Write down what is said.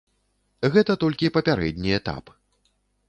Гэта толькі папярэдні этап.